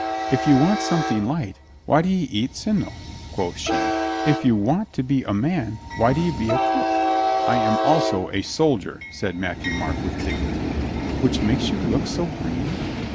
"If you want something light, why do 'e eat sim nel?" quoth she. "If you want to be a man why do 'e be a cook?" "I am also a soldier," said Matthieu Marc with dignity. "Which makes you look so green?"